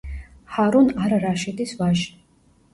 ჰარუნ არ-რაშიდის ვაჟი.